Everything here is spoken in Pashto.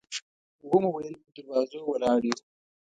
و مو ویل په دروازه ولاړ یو.